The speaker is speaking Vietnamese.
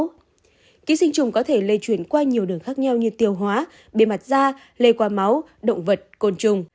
ký sinh trùng có thể lây chuyển qua nhiều đường khác nhau như tiêu hóa bề mặt da lây qua máu động vật côn trùng